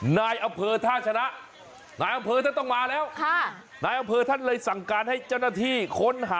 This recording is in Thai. ได้วังเผ้อท่านต้องมาแล้วนายเราเผ่อท่านเลยสั่งการให้เจ้าหน้าที่ค้นหา